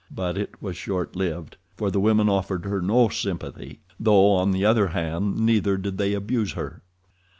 But it was short lived, for the women offered her no sympathy, though, on the other hand, neither did they abuse her.